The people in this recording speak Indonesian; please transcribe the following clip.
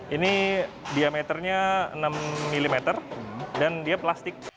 ini diameternya enam mm dan dia plastik